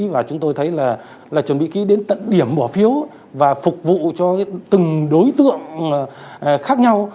và chúng tôi thấy là chuẩn bị đến tận điểm bỏ phiếu và phục vụ cho từng đối tượng khác nhau